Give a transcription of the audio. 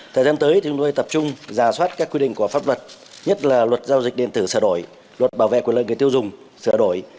thời gian tới chúng tôi tập trung giả soát các quy định của pháp luật nhất là luật giao dịch điện tử sửa đổi luật bảo vệ quyền lợi người tiêu dùng sửa đổi